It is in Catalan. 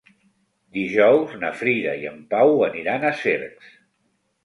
Dijous na Frida i en Pau aniran a Cercs.